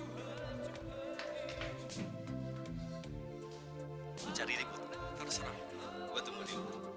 mau cari rikut terus ramai gue tunggu di umur